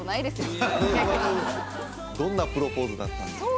どんなプロポーズだったんでしょうか？